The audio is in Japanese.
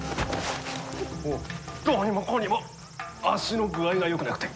どうにもこうにも足の具合がよくなくて。